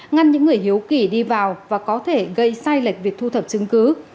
ngăn những người hiếu kỳ đi vào và có thể gây sai lệch việc thu thập chứng cứ